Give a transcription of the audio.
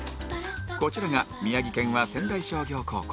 こちらが宮城県は仙台商業高校